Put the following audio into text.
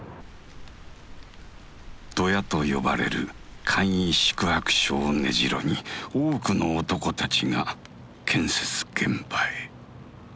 「ドヤ」と呼ばれる簡易宿泊所を根城に多くの男たちが建設現場へ。